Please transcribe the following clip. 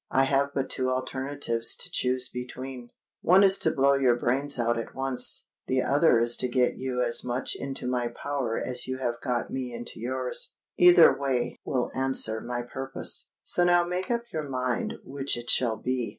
I have but two alternatives to choose between:—one is to blow your brains out at once—the other is to get you as much into my power as you have got me into yours. Either way will answer my purpose. So now make up your mind which it shall be.